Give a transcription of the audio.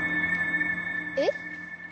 えっ？